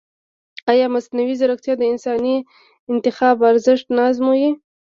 ایا مصنوعي ځیرکتیا د انساني انتخاب ارزښت نه ازموي؟